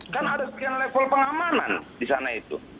kan ada sekian level pengamanan di sana itu